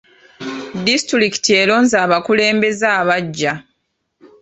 Disitulikiti eronze abakulembeze abaggya.